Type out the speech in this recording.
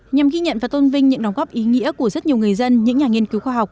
nhằm ghi nhận và tôn vinh những đóng góp ý nghĩa của rất nhiều người dân những nhà nghiên cứu khoa học